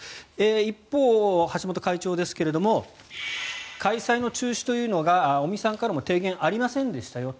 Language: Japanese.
一方、橋本会長ですけれども開催の中止というのが尾身さんからも提言ありませんでしたよと。